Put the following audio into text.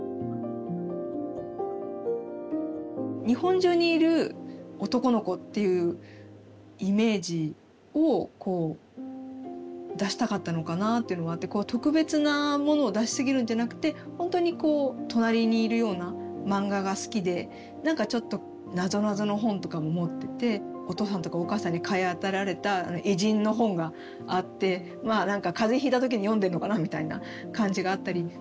日本中にいる男の子っていうイメージをこう出したかったのかなっていうのがあって特別なものを出しすぎるんじゃなくてほんとにこう隣にいるような漫画が好きで何かちょっとなぞなぞの本とかも持っててお父さんとかお母さんに買い与えられた偉人の本があって何か風邪ひいた時に読んでんのかなみたいな感じがあったり。